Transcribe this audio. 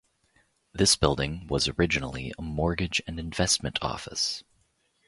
This building was originally a mortgage and investment office.